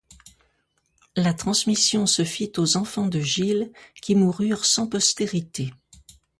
La transmission se fit aux enfants de Gilles, qui moururent sans postérité.